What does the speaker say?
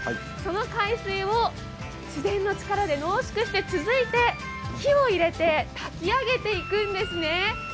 その海水を自然の力で濃縮して続いて火を入れて炊き上げていくんですね。